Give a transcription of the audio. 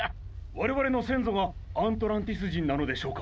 われわれのせんぞがアントランティスじんなのでしょうか？